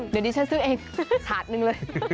เดี๋ยวนี้ฉันซื้อเองฉาร์ดนึงเลย